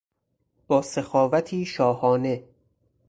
با سخاوتی شاهانه